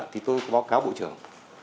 thì tôi có báo cáo bộ trưởng